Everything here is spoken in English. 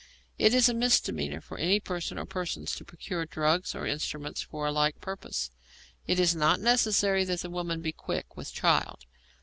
It is a misdemeanour for any person or persons to procure drugs or instruments for a like purpose. It is not necessary that the woman be quick with child.